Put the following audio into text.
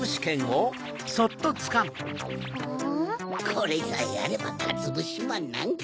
これさえあればかつぶしまんなんか。